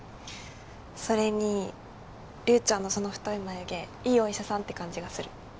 それにリュウちゃんのその太い眉毛いいお医者さんって感じがする。